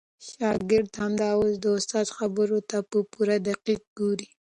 شاګرد همدا اوس د استاد خبرو ته په پوره دقت ګوري.